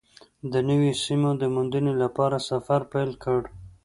د نویو سیمو د موندنې لپاره سفر پیل کړ.